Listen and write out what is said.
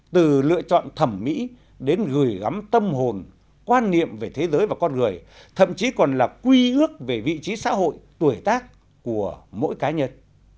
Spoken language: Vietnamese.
từ lựa chọn thẩm mỹ đến gửi gắm tâm hồn quan niệm về thế giới và con người thậm chí còn là quy ước về vị trí xã hội tuổi tác của mỗi cá nhân